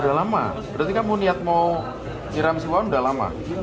udah lama berarti kamu niat mau nyeram siwa udah lama